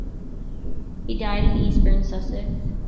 He died in Eastbourne, Sussex.